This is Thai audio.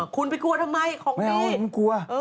คุณไปกลัวทำไมของพี่เออไม่เอาไม่มีกลัว